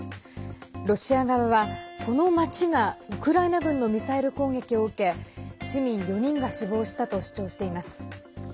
ロシア側は、この町がウクライナ軍のミサイル攻撃を受け市民４人が死亡したと主張しています。